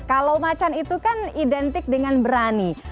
kalau macan itu kan identik dengan berani